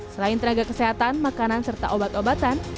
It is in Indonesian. selain tenaga kesehatan makanan serta obat obatan